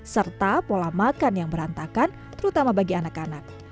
serta pola makan yang berantakan terutama bagi anak anak